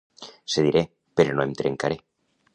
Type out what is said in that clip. Cediré, però no em trencaré.